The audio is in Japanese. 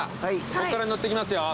ここから乗っていきますよ。